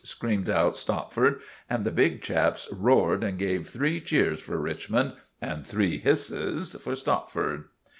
screamed out Stopford; and the big chaps roared and gave three cheers for Richmond and three hisses for Stopford.